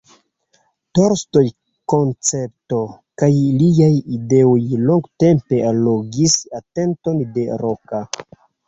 Tolstoj koncepto kaj liaj ideoj longtempe allogis atenton de Roka.